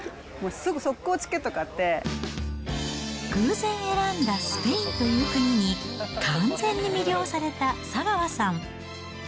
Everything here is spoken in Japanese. すぐ速攻、偶然選んだスペインという国に、完全に魅了された佐川さん。